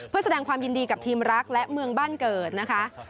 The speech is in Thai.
เพื่อแสดงความยินดีกับทีมรักและเมืองบ้านเกิดนะคะ